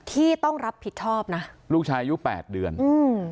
ที่ต้องรับผิดชอบนะลูกชายอายุแปดเดือนอืม